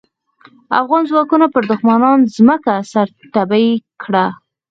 افغان ځواکونو پر دوښمنانو ځمکه سره تبۍ کړه.